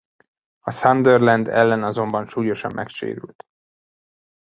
A Sunderland ellen azonban súlyosan megsérült.